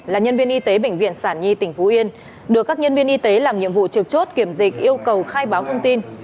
là nhân viên y tế bệnh viện sản nhi tỉnh phú yên được các nhân viên y tế làm nhiệm vụ trực chốt kiểm dịch yêu cầu khai báo thông tin